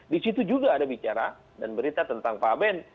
disitu juga ada bicara dan berita tentang pak ben